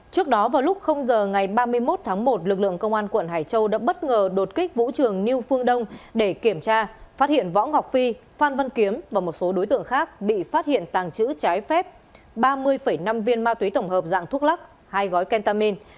trước đó vào lúc giờ ngày ba mươi một tháng một lực lượng công an quận hải châu đã bất ngờ đột kích vũ trường new phương đông để kiểm tra phát hiện võ ngọc phi phan văn kiếm và một số đối tượng khác bị phát hiện tàng trữ trái phép ba mươi năm viên ma túy tổng hợp dạng thuốc lắc hai gói kentamin